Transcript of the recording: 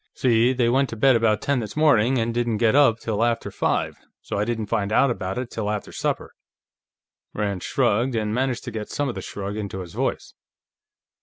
See, they went to bed about ten this morning, and didn't get up till after five, so I didn't find out about it till after supper." Rand shrugged, and managed to get some of the shrug into his voice.